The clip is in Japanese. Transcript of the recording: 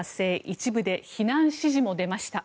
一部で避難指示も出ました。